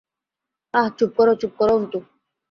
আঃ চুপ করো, চুপ করো অন্তু।